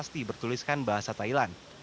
prasasti bertuliskan bahasa thailand